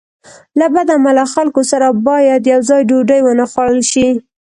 له بد عمله خلکو سره باید یوځای ډوډۍ ونه خوړل شي.